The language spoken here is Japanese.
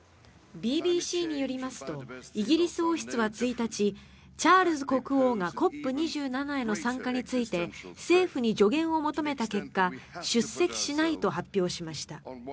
ＢＢＣによりますとイギリス王室は１日チャールズ国王がＣＯＰ２７への参加について政府に助言を求めた結果出席しないと発表しました。